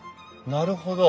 なるほど。